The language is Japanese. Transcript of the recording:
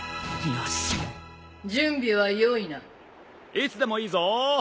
いつでもいいぞ！